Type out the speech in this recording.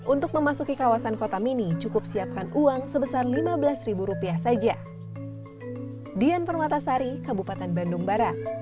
untuk memasuki kawasan kota mini cukup siapkan uang sebesar lima belas ribu rupiah saja